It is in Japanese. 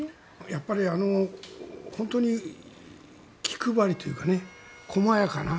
やっぱり、本当に気配りというか、細やかな。